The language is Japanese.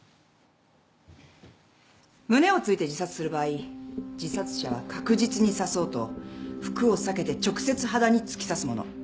胸を突いて自殺する場合自殺者は確実に刺そうと服を避けて直接肌に突き刺すもの。